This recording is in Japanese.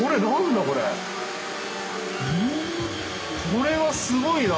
これはすごいな！